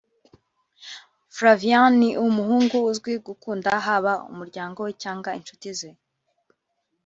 Flavien ni umuhungu uzi gukunda haba umuryango we cyangwa inshuti ze